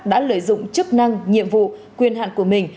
đã lợi dụng chức năng nhiệm vụ quyền hạn của mình